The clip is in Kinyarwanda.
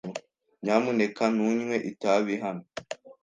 Nyamuneka ntunywe itabi hano.